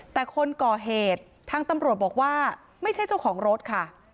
แต่คนก่อเหตุทางตำรวจบอกว่าไม่ใช่เจ้าของรถค่ะ